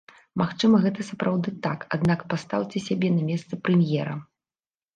Магчыма, гэта сапраўды так, аднак пастаўце сябе на месца прэм'ера.